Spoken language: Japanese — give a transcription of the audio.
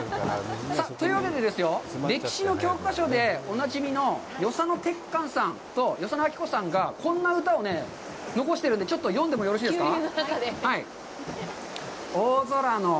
さあ、というわけでですよ、歴史の教科書でおなじみの与謝野晶子さんと与謝野鉄幹さんがこんな歌を残してるんで、ちょっと読んでもよろしいですか？